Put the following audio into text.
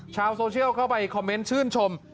ชาวโซเชียลเข้าไปคอมเมนต์ชื่นชม